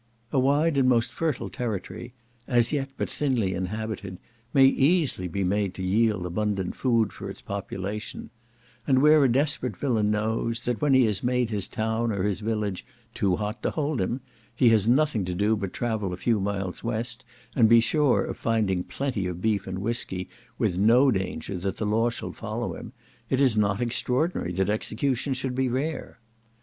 A wide and most fertile territory, as yet but thinly inhabited, may easily be made to yield abundant food for its population: and where a desperate villain knows, that when he has made his town or his village "too hot to hold him," he has nothing to do but to travel a few miles west, and be sure of finding plenty of beef and whiskey, with no danger that the law shall follow him, it is not extraordinary that executions should be rare.